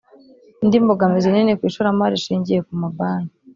Indi mbogamizi nini ku ishoramari ishingiye ku mabanki